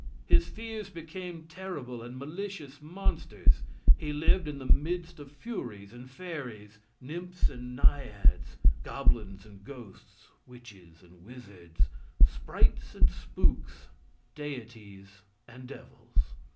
His fears became terrible and malicious monsters. He lived in the midst of furies and fairies, nymphs and naiads, goblins and ghosts, witches and wizards, sprites and spooks, deities and devils.